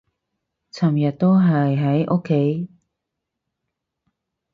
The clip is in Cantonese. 尋日都係喺屋企